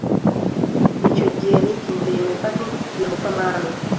Icyo gihe ninginze Yehova nti Yehova Mwami